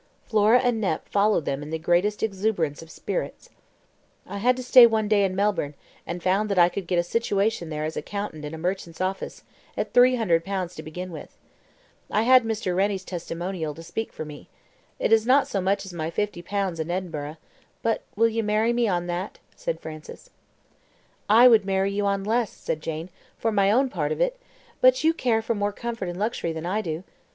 Flora and Nep followed them in the greatest exuberance of spirits. "I had to stay one day in Melbourne, and found that I could get a situation there as accountant in a merchant's office, at 300 pounds to begin with. I had Mr. Rennie's testimonial to speak for me. It is not so much as my 50 pounds in Edinburgh; but will you marry me on that?" said Francis. "I would marry you on less," said Jane, "for my own part of it; but you care more for comfort and luxury than I do.